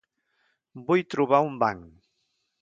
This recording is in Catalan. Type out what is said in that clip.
Vull trobar un banc.